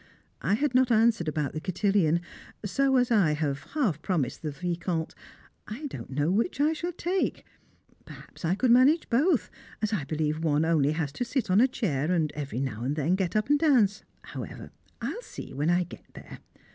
I had not answered about the cotillon, so as I have half promised the Vicomte I don't know which I shall take; perhaps I could manage both, as I believe one only has to sit on a chair and every now and then get up and dance. However, I will see when I get there.